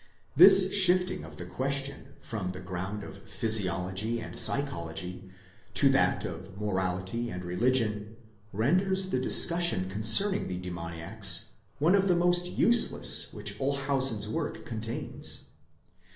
This shifting of the question from the ground of physiology and psychology to that of morality and religion, renders the discussion concerning the demoniacs one of the most useless which Olshausen's work contains.